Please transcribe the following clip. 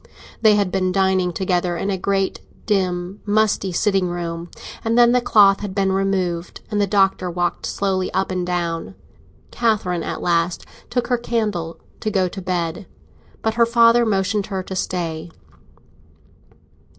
They had been dining together in a great dim, musty sitting room; and then the cloth had been removed, and the Doctor walked slowly up and down. Catherine at last took her candle to go to bed, but her father motioned her to stay.